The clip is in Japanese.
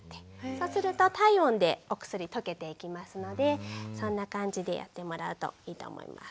そうすると体温でお薬溶けていきますのでそんな感じでやってもらうといいと思います。